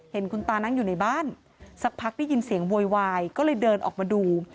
เห็นคุณตานั่งอยู่ในบ้านสักพักได้ยินเสียงโวยวายก็เลยเดินออกมาดู